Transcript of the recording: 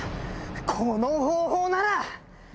この方法なら！